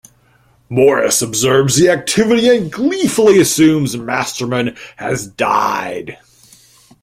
Morris observes the activity and gleefully assumes Masterman has died.